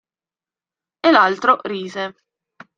E l'altro rise.